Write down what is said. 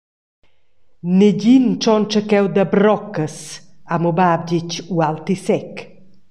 «Negin tschontscha cheu da broccas», ha miu bab detg ualti sec.